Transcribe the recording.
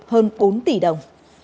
hơn năm tấn pháo nổ các loại